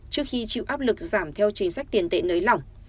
trước khi chịu áp lực giảm theo chính sách tiền tệ nới lỏng